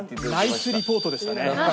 ナイスリポートでしたね。